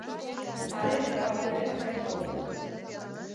Haren erabakiaren zain gaude.